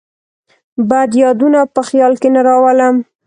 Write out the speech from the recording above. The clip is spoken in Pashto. بد یادونه په خیال کې نه راولم.